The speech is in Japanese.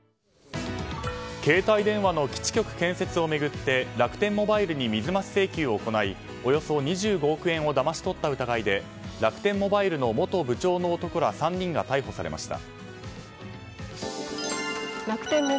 携帯電話の基地局建設を巡って楽天モバイルに水増し請求を行いおよそ２５億円をだまし取った疑いで楽天モバイルの元部長の男ら３人が逮捕されました。